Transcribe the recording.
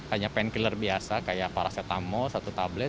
hanya painkiller biasa kayak paracetamol satu tablet